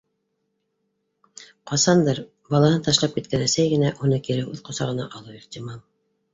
Ҡасандыр балаһын ташлап киткән әсәй генә уны кире үҙ ҡосағына алыуы ихтимал.